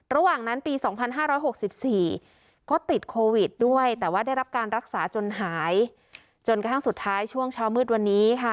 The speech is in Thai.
ระหว่างนั้นปี๒๕๖๔ก็ติดโควิดด้วยแต่ว่าได้รับการรักษาจนหายจนกระทั่งสุดท้ายช่วงเช้ามืดวันนี้ค่ะ